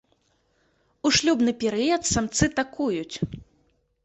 У шлюбны перыяд самцы такуюць.